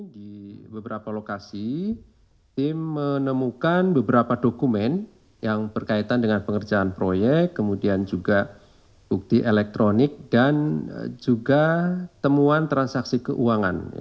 di beberapa lokasi tim menemukan beberapa dokumen yang berkaitan dengan pengerjaan proyek kemudian juga bukti elektronik dan juga temuan transaksi keuangan